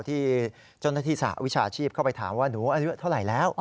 ที่เจ้าหน้าที่สหวิชาชีพเข้าไปถามว่าหนูอายุเท่าไหร่แล้ว